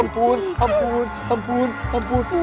ampun ampun ampun ampun